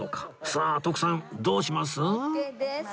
さあ徳さんどうします？